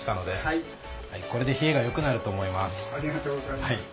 ありがとうございます。